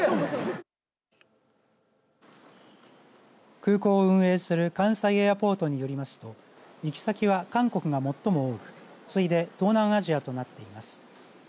空港を運営する関西エアポートによりますと行き先は韓国が最も多く次いで東南アジアとなっています。